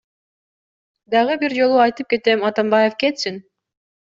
Дагы бир жолу айтып кетем, Атамбаев кетсин!